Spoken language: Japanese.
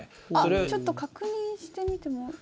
ちょっと確認してみても。